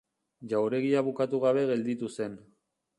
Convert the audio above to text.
Jauregia bukatu gabe gelditu zen.